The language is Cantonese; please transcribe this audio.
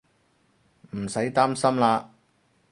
唔使擔心喇